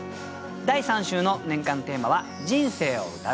第３週の年間テーマは「人生を詠う」。